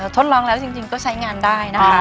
ทดลองแล้วจริงก็ใช้งานได้นะคะ